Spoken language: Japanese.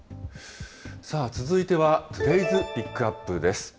さあ、続いては、トゥデイズ・ピックアップです。